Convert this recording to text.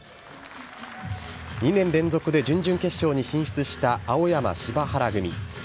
２年連続で準々決勝に進出した青山・柴原組。